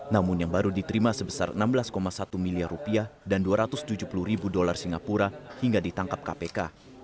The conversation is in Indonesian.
namun yang baru diterima sebesar enam belas satu miliar rupiah dan dua ratus tujuh puluh ribu dolar singapura hingga ditangkap kpk